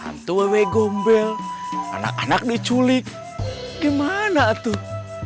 hantu awe gombel anak anak diculik gimana tuh